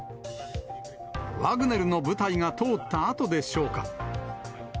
ワグネルの部隊が通ったあとでしょうか。